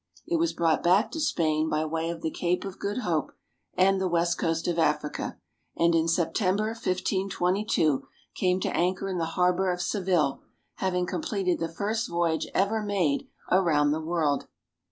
It was brought back to Spain by way of the Cape of Good Hope and the west coast of Africa, and in September, 1522, came to anchor in the harbor of Seville, having completed the first voyage ever made around the world.